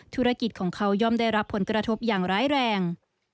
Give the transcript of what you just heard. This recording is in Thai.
ธุรกิจของเขาย่อมได้รับผลกระทบอย่างร้ายแรง